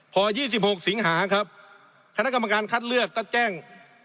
พอ๒๖สิงหาครับคณะกรรมการคัดเลือกก็แจ้ง